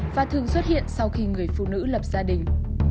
và thường xuất hiện sau khi người phụ nữ lập gia đình